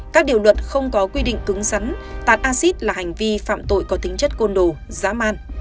các điều luật không có quy định cứng rắn tạt acid là hành vi phạm tội có tính chất côn đồ dã man